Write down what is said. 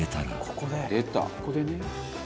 「ここでね」